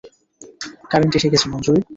Current এসে গেছে, মঞ্জুরী!